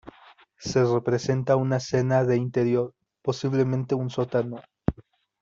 Se representa una escena de interior, posiblemente un sótano.